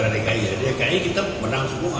di dki kita menang semua tiga tiga